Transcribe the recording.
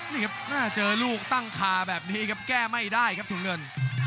นี่ครับเจอลูกตั้งคาแบบนี้ครับแก้ไม่ได้ครับถุงเงิน